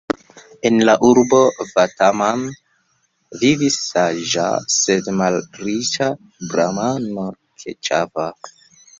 En la urbo Vataman vivis saĝa, sed malriĉa bramano Kecava.